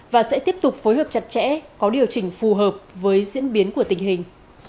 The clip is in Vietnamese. và sẽ tiếp tục phối hợp chặt chẽ có điều chỉnh phù hợp với diễn biến của tình hình